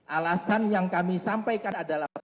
alasan yang kami sampaikan adalah